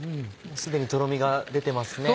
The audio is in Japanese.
すでにとろみが出てますね。